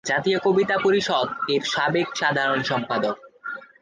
জাতীয় কবিতা পরিষদ এর সাবেক সাধারণ সম্পাদক।